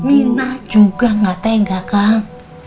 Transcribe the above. minah juga gak tega kang